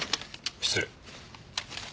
失礼。